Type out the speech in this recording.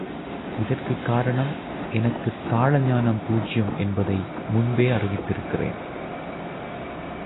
இதற்குக் காரணம் எனக்குத்தாள ஞானம் பூஜ்யம் என்பதை முன்பே அறிவித்திருக்கிறேன்.